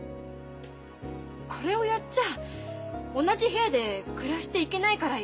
これをやっちゃ同じ部屋で暮らしていけないからよ。